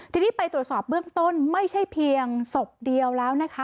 ทีนี้ไปตรวจสอบเบื้องต้นไม่ใช่เพียงศพเดียวแล้วนะคะ